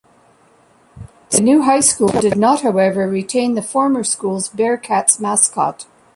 The new high school did not, however, retain the former school's "Bearcats" mascot.